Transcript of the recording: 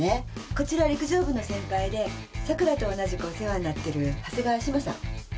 こちら陸上部の先輩で桜と同じくお世話になってる長谷川志麻さん。